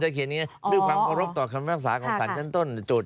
ซึ่งอันนี้ไม่เข้ารักษณะละเมิด